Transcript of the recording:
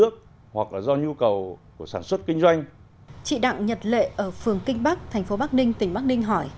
chị đặng nhật lệ ở phường kinh bắc thành phố bắc ninh tỉnh bắc ninh hỏi